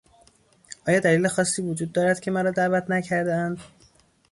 آیا دلیل خاصی وجود دارد که مرا دعوت نکردهاند؟